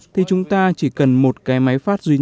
thì chúng ta chỉ cần một cái máy phát duy nhất